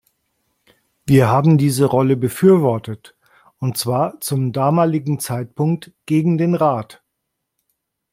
Wir haben diese Rolle befürwortet, und zwar zum damaligen Zeitpunkt gegen den Rat.